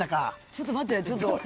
ちょっと待って。